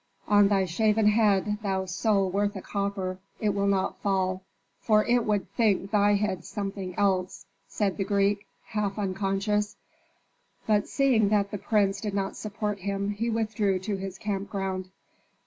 "On thy shaven head, thou soul worth a copper, it will not fall, for it would think thy head something else," said the Greek, half unconscious. But seeing that the prince did not support him, he withdrew to his camp ground.